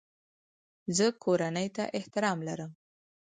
زه کورنۍ ته احترام لرم.